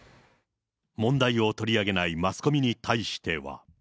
問題を取り上げないマスコミに対しては。